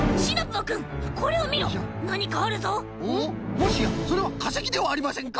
もしやそれはかせきではありませんか！？